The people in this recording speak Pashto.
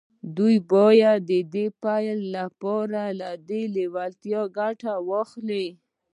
دوی باید د پیل لپاره له دې لېوالتیا ګټه واخلي